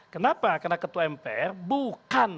kenapa karena ketua mpr bukan